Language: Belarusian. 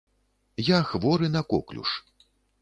Я хворы на коклюш.